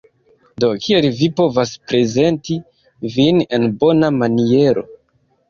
Do kiel vi povas prezenti vin en bona maniero